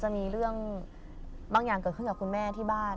มีอย่างเกิดขึ้นกับคุณแม่ที่บ้าน